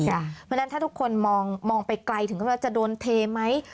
เพราะฉะนั้นถ้าทุกคนมองไปไกลถึงว่าจะโดนเทไหม